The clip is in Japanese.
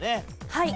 はい。